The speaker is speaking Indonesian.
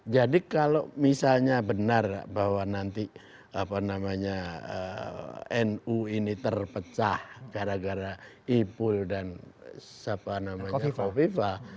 jadi kalau misalnya benar bahwa nanti nu ini terpecah gara gara ipul dan hovifah